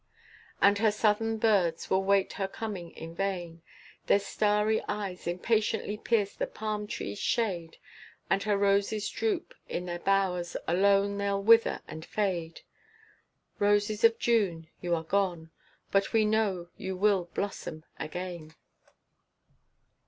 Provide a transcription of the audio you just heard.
And her southern birds will wait her coming in vain, Their starry eyes impatiently pierce the palm trees' shade, And her roses droop in their bowers, alone they'll wither and fade. Roses of June you are gone, but we know you will blossom again.